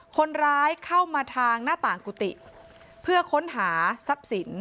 คนร้ายเข้ามาทางหน้าต่างกุฏิเพื่อค้นหาทรัพย์สิน